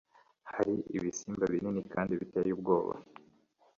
hari ibisimba binini kandi biteye ubwoba